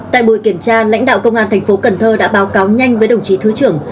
tại buổi kiểm tra lãnh đạo công an thành phố cần thơ đã báo cáo nhanh với đồng chí thứ trưởng